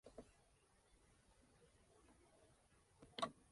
Como una ruta práctica para obtener índigo ha desplazado la de la anilina.